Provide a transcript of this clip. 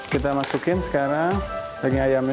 kita masukin sekarang daging ayamnya